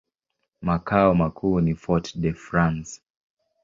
Makao makuu ni Fort-de-France.